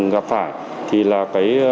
gặp phải thì là cái